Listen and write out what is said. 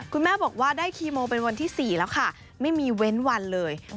คุณแม่บอกว่าได้คีโมเป็นวันที่๔แล้วค่ะไม่มีเว้นวันเลย